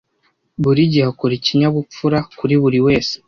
Buri gihe akora ikinyabupfura kuri buri wese.